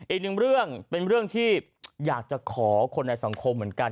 อีกหนึ่งเรื่องเป็นเรื่องที่อยากจะขอคนในสังคมเหมือนกัน